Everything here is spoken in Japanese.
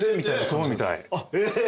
そうみたい。